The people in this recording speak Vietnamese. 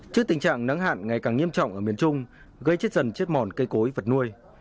trước tình trạng nắng hạn ngày càng nghiêm trọng ở miền trung gây chết dần chết mòn cây cối vật nuôi